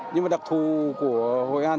nhưng mà đặc thù của hội an